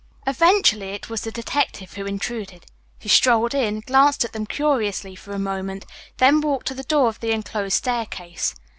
Eventually it was the detective who intruded. He strolled in, glanced at them curiously for a moment, then walked to the door of the enclosed staircase.